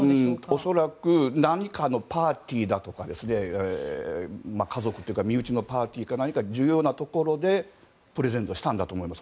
恐らく何かのパーティーだとか家族というか身内のパーティーか重要なところでプレゼントしたんだと思います。